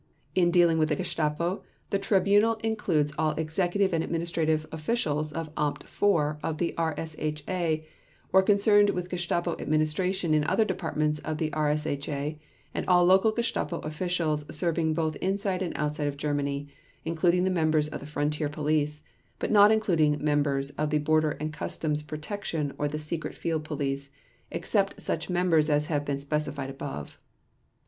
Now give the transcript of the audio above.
In dealing with the Gestapo the Tribunal includes all executive and administrative officials of Amt IV of the RSHA or concerned with Gestapo administration in other departments of the RSHA and all local Gestapo officials serving both inside and outside of Germany, including the members of the Frontier Police, but not including the members of the Border and Customs Protection or the Secret Field Police, except such members as have been specified above.